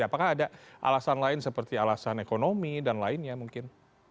apakah ada alasan lain seperti alasan ekonomi dan lainnya mungkin